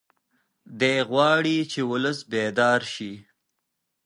دی غواړي چې ولس بیدار شي.